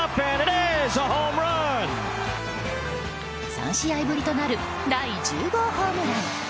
３試合ぶりとなる第１０号ホームラン。